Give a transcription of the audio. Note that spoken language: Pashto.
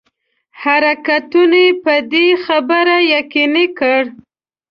حرکتونو په دې خبري یقیني کړ.